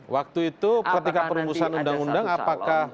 waktu itu ketika perumusan undang undang apakah